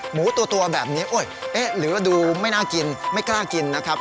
หมูตัวแบบนี้เอ๊ะหรือว่าดูไม่น่ากินไม่กล้ากินนะครับ